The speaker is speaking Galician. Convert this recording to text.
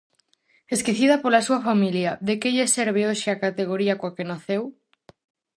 Esquecida pola súa familia: de que lle serve hoxe a categoría coa que naceu?